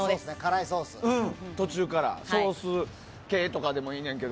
途中から、ソース系とかでもいいねんけど。